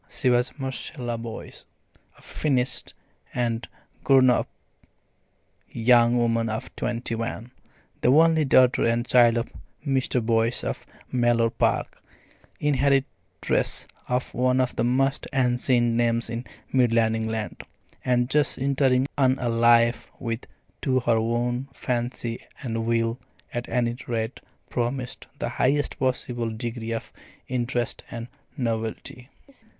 She was Marcella Boyce, a "finished" and grown up young woman of twenty one, the only daughter and child of Mr. Boyce of Mellor Park, inheritress of one of the most ancient names in Midland England, and just entering on a life which to her own fancy and will, at any rate, promised the highest possible degree of interest and novelty.